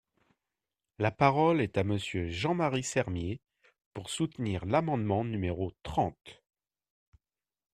La parole est à Monsieur Jean-Marie Sermier, pour soutenir l’amendement numéro trente.